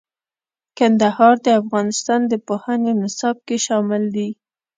کندهار د افغانستان د پوهنې نصاب کې شامل دي.